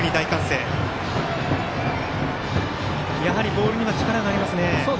ボールには力がありますね。